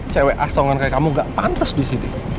cewek asongan kayak kamu gak pantas di sini